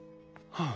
はあ。